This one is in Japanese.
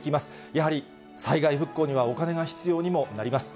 やはり、災害復興にはお金が必要にもなります。